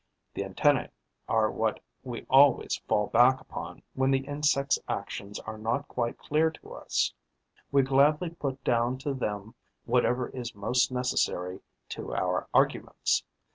The antennae are what we always fall back upon when the insect's actions are not quite clear to us; we gladly put down to them whatever is most necessary to our arguments.